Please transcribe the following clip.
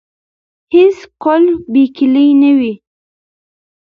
هیڅ قلف بې کیلي نه وي.